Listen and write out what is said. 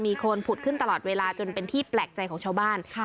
โครนผุดขึ้นตลอดเวลาจนเป็นที่แปลกใจของชาวบ้าน